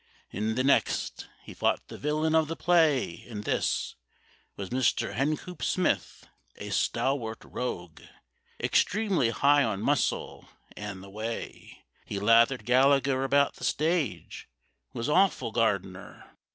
In the next He fought the villain of the play, and this Was Mr. Hencoop Smith, a stalwart rogue, Extremely high on muscle, and the way He lathered Gallagher about the stage Was Awful Gardener.